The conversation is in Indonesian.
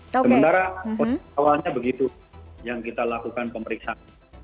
sementara awalnya begitu yang kita lakukan pemeriksaan